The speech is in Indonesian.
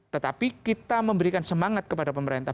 tetapi kita memberikan semangat kepada pemerintah